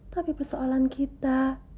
tapi persoalan kita